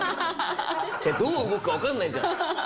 どう動くか分かんないじゃん。